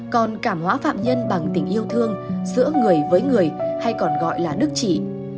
còn cảm hóa phạm nhân bằng tình yêu thương giữa người với người hay còn gọi là đức chỉ